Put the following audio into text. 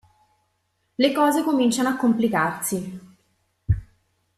Le cose cominciano a complicarsi.